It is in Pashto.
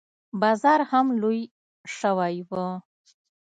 بازار هم لوى سوى و.